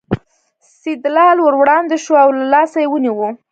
سیدلال ور وړاندې شو او له لاسه یې ونیو.